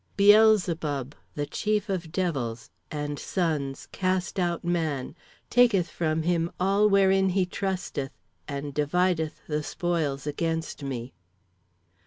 "Beelzebub, the chief of devils, and sons cast out man; taketh from him all wherein he trusteth and divideth the spoils against me.